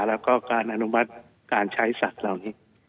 แล้วก็การอนุมัติการใช้สัตว์เหล่านี้